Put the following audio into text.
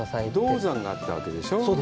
銅山があったわけでしょう？